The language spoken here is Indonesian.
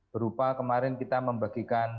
berupa kemarin kita membagikan